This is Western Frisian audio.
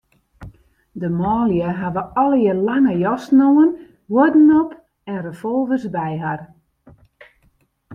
De manlju hawwe allegearre lange jassen oan, huodden op en revolvers by har.